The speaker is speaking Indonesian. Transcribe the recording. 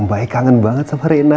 mbak ii kangen banget sama reina